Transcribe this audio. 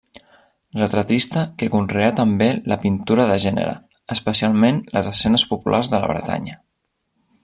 Retratista que conreà també la pintura de gènere especialment les escenes populars de la Bretanya.